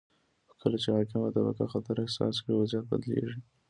خو کله چې حاکمه طبقه خطر احساس کړي، وضعیت بدلیږي.